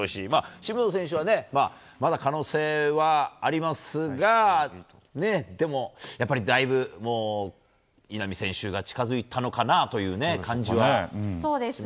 渋野選手は、まだ可能性はありますがでもやっぱり、だいぶ稲見選手が近づいたのかなという感じはしますよね。